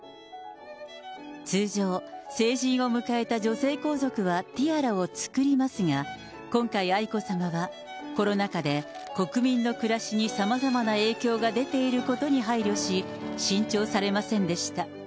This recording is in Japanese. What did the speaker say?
通常、成人を迎えた女性皇族はティアラを作りますが、今回愛子さまは、コロナ禍で国民の暮らしにさまざまな影響が出ていることに配慮し、新調されませんでした。